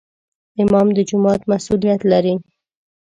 امام د جومات مسؤولیت لري